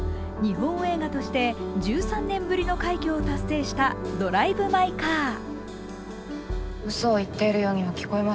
日本映画として１３年ぶりの快挙を達成した「ドライブ・マイ・カー」。